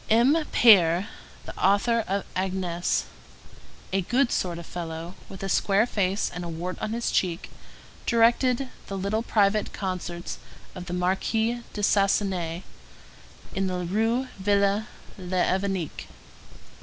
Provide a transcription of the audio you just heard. M. Paër, the author of Agnese, a good sort of fellow, with a square face and a wart on his cheek, directed the little private concerts of the Marquise de Sasenaye in the Rue Ville l'Évêque.